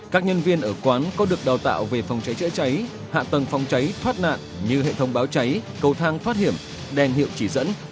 các nhân viên ở quán có được đào tạo về phòng cháy chữa cháy hạ tầng phòng cháy thoát nạn như hệ thống báo cháy cầu thang thoát hiểm đèn hiệu chỉ dẫn